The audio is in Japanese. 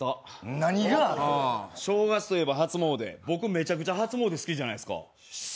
正月と言えば初詣、僕、めちゃめちゃ初詣好きじゃないですか。